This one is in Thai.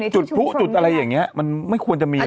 จุดพลุจุดอะไรอย่างนี้มันไม่ควรจะมี